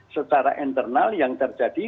setara internal yang terjadi